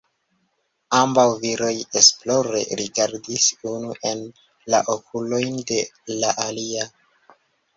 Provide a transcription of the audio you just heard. Ambaŭ viroj esplore rigardis unu en la okulojn de la alia.